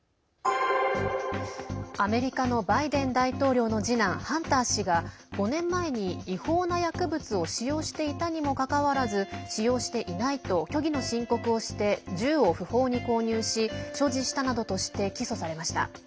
アメリカのバイデン大統領の次男ハンター氏が５年前に違法な薬物を使用していたにもかかわらず使用していないと虚偽の申告をして銃を不法に購入し所持したなどとして起訴されました。